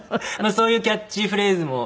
そういうキャッチフレーズも。